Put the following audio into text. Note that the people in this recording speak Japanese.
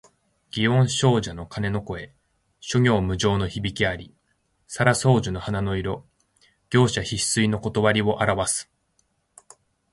祇園精舎の鐘の声、諸行無常の響きあり。沙羅双樹の花の色、盛者必衰の理をあらわす。